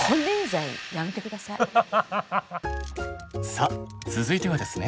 さあ続いてはですね。